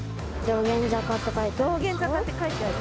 道玄坂って書いてある。